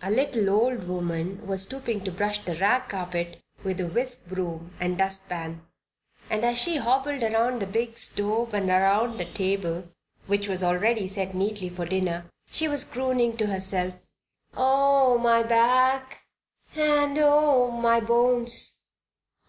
A little old woman was stooping to brush the rag carpet with a whisk broom and dustpan, and as she hobbled around the big stove and around the table, which was already set neatly for dinner, she was crooning to herself: "Oh, my back and oh, my bones!